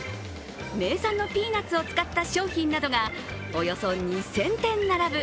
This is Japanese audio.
名産のピーナッツを使った商品などがおよそ２０００点並ぶ